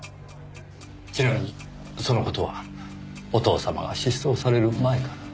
ちなみにその事はお父様が失踪される前から？